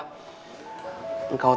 kau telah mengabulkan aku